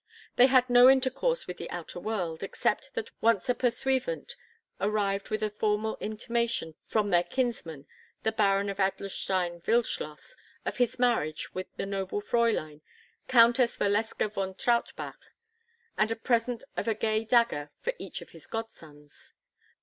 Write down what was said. They had no intercourse with the outer world, except that once a pursuivant arrived with a formal intimation from their kinsman, the Baron of Adlerstein Wildschloss, of his marriage with the noble Fräulein, Countess Valeska von Trautbach, and a present of a gay dagger for each of his godsons.